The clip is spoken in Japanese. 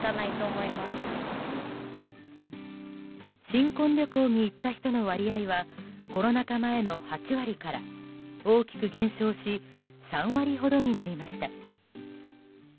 新婚旅行に行った人の割合はコロナ禍前の８割から大きく減少し３割ほどになりました。